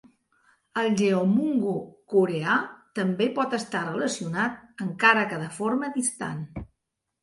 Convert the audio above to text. El "geomungo" coreà també pot estar relacionat, encara que de forma distant.